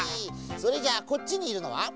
それじゃあこっちにいるのは？